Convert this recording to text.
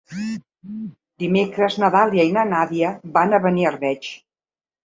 Dimecres na Dàlia i na Nàdia van a Beniarbeig.